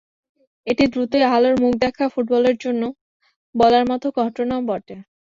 এটি দ্রুতই আলোর মুখ দেখা ফুটবলের জন্য বলার মতো ঘটনাও বটে।